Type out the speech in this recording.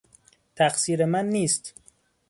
تقصیر من نیست.